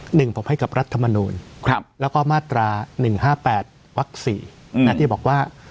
หนึ่งผมให้กับรัฐมนูลแล้วก็มาตรา๑๕๘วักสี่ที่บอกว่า